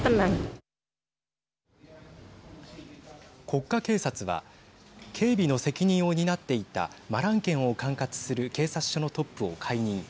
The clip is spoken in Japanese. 国家警察は警備の責任を担っていたマラン県を管轄する警察署のトップを解任。